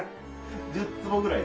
１０坪ぐらいです。